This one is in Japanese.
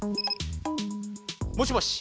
もしもし。